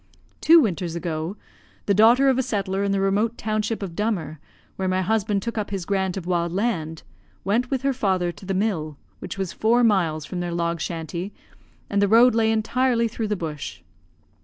"Two winters ago, the daughter of a settler in the remote township of Dummer, where my husband took up his grant of wild land, went with her father to the mill, which was four miles from their log shanty and the road lay entirely through the bush.